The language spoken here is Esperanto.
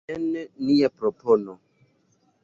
Jen nia propono.